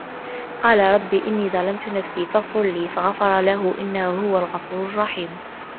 قالَ رَبِّ إِنّي ظَلَمتُ نَفسي فَاغفِر لي فَغَفَرَ لَهُ إِنَّهُ هُوَ الغَفورُ الرَّحيمُ